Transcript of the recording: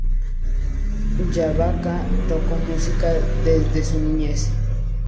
Ilabaca tocó música desde su niñez.